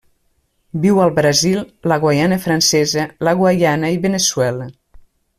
Viu al Brasil, la Guaiana Francesa, la Guaiana i Veneçuela.